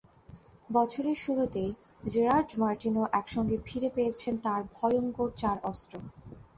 বছরের শুরুতেই Gerard Martino একসঙ্গে ফিরে পেয়েছেন তাঁর ভয়ংকর চার অস্ত্র।